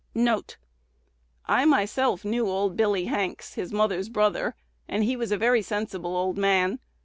"1 1 "I myself knew old Billy Hanks, his mother's brother, and he was a very sensible old man.